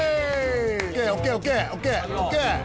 ＯＫＯＫＯＫ！ＯＫ！ＯＫ！